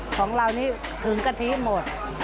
ของเรานี่ถึงกะทิหมด